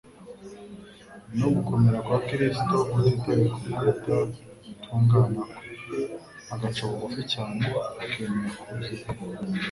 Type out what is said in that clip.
no gukomera kwa Kristo utitaye ku kudatungana kwe agaca bugufi cyane akemera kuza iwe.